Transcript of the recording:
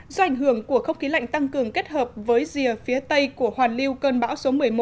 do ảnh hưởng của không khí lạnh tăng cường kết hợp với rìa phía tây của hoàn lưu cơn bão số một mươi một